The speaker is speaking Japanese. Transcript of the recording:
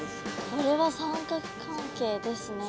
これは三角関係ですね。